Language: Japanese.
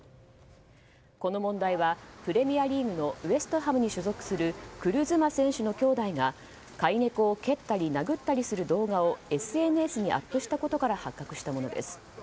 この問題はプレミアリーグのウェストハムに所属するクル・ズマ選手の兄弟が飼い猫を蹴ったり殴ったりする動画をＳＮＳにアップしたことから発覚したものです。